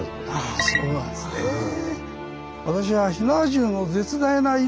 あそうなんですねぇ。